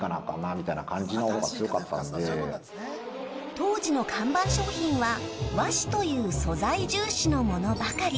当時の看板商品は和紙という素材重視のものばかり。